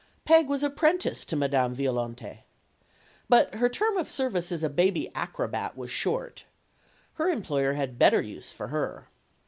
Peg was apprenticed to Madame Violante. But her term of service as a baby acrobat was short. Her employer had better use for her.